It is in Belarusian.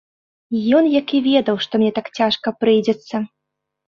Ён як і ведаў, што мне так цяжка прыйдзецца.